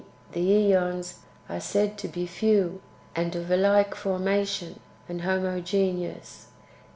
the ^ons) are said to be few, and of a like formation, and homogeneous.